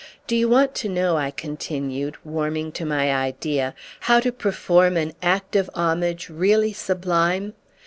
Do you want to know," I continued, warming to my idea, "how to perform an act of homage really sublime?"